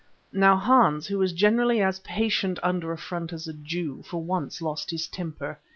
Now Hans, who generally was as patient under affront as a Jew, for once lost his temper.